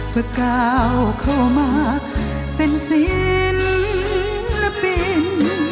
เฟอร์เกล้าเข้ามาเป็นศิลปิน